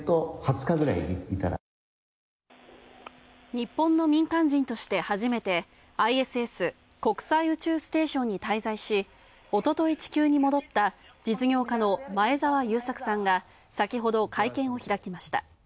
日本の民間人として初めて、ＩＳＳ＝国際宇宙ステーションに滞在し、おととい地球に戻った実業家の前澤友作さんが先ほど会見を開きました。